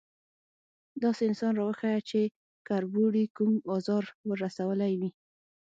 _داسې انسان راوښيه چې کربوړي کوم ازار ور رسولی وي؟